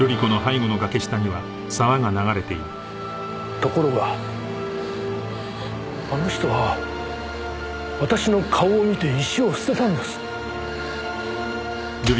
ところがあの人は私の顔を見て石を捨てたんです。